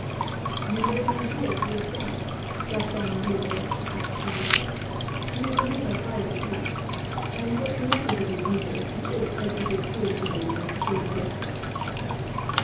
"You know Monsieur D'Estanges?" Gaston de Rebers asked courteously. "He is a gentleman of high repute and, though connected with the Guises, he is said to be opposed to them in their crusade against us."